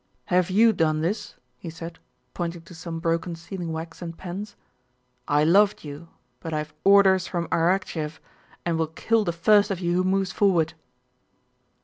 "Have you done this?" he said, pointing to some broken sealing wax and pens. "I loved you, but I have orders from Arakchéev and will kill the first of you who moves forward."